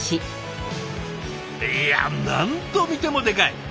いや何度見てもでかい！